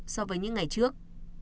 so với những ngày trước